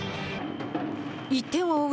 １点を追う